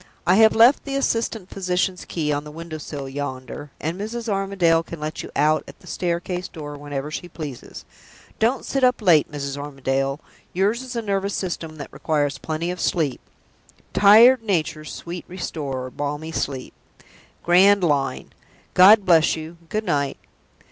"I have left the assistant physician's key on the window sill yonder, and Mrs. Armadale can let you out at the staircase door whenever she pleases. Don't sit up late, Mrs. Armadale! Yours is a nervous system that requires plenty of sleep. 'Tired nature's sweet restorer, balmy sleep.' Grand line! God bless you good night!"